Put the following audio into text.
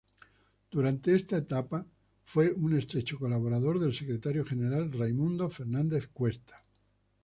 Durante esta etapa fue un estrecho colaborador del secretario general Raimundo Fernández-Cuesta.